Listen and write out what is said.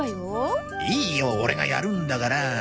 いいよオレがやるんだから。